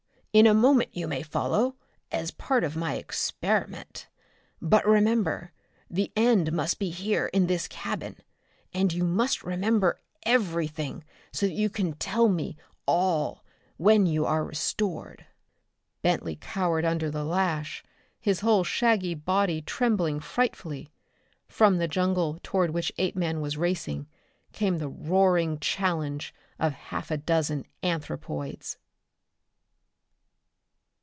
In a moment you may follow as part of my experiment. But remember the end must be here in this cabin, and you must remember everything, so that you can tell me all when you are restored!" Bentley cowered under the lash. His whole shaggy body trembled frightfully. From the jungle toward which Apeman was racing come the roaring challenge of half a dozen anthropoids.